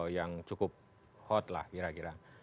yang cukup hot lah kira kira